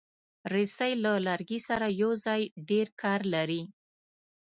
رسۍ د لرګي سره یوځای ډېر کار لري.